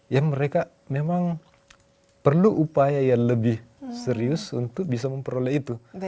ya mereka memang perlu upaya yang lebih serius untuk bisa memperoleh itu